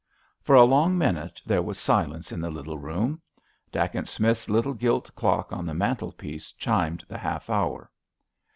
For a long minute there was silence in the little room. Dacent Smith's little gilt clock on the mantelpiece chimed the half hour.